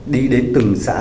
đi đến từng xã